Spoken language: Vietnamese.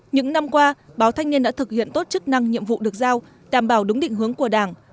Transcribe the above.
những năm qua báo thanh niên đã thực hiện tốt chức năng nhiệm vụ được giao đảm bảo đúng định hướng của đảng